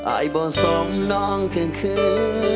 อ้ายบ่สมนองเธอคือว่า